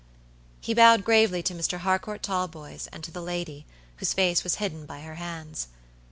He bowed gravely to Mr. Harcourt Talboys and to the lady, whose face was hidden by her hands.